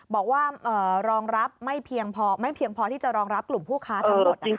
บอกว่ารองรับไม่เพียงพอที่จะรองรับกลุ่มผู้ค้าทั้งหมด